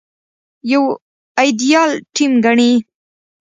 يو ايديال ټيم ګڼي.